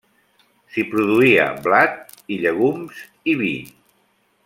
S'hi produïa blat i llegums i vi.